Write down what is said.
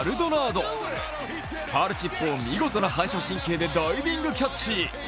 ファウルチップを見事な反射神経でダイビングキャッチ。